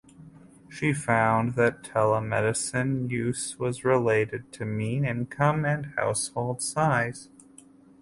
She found that telemedicine use was related to mean income and household size.